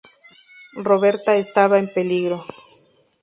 Roberta estaba en peligro.